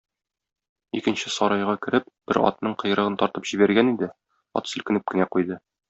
Икенче сарайга кереп, бер атның койрыгын тартып җибәргән иде, ат селкенеп кенә куйды.